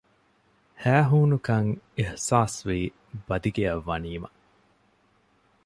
ހައިހޫނުކަން އިހްޞާސްވީ ބަދިގެއަށް ވަނީމަ